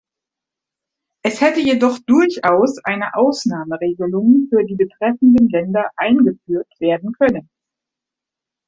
Es hätte jedoch durchaus eine Ausnahmeregelung für die betreffenden Länder eingeführt werden können.